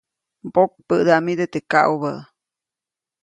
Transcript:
Mbokpäʼdamide teʼ kaʼubä.